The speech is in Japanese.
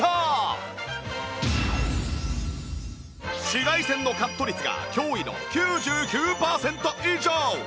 紫外線のカット率が驚異の９９パーセント以上！